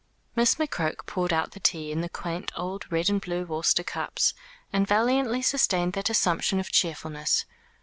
Miss McCroke poured out the tea in the quaint old red and blue Worcester cups, and valiantly sustained that assumption of cheerfulness.